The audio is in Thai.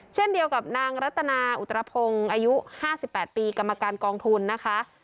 เช่นเดียวกับนางรัตนาอุตรพงศ์อายุ๕๘ปีกรรมการกองทุนนะคะ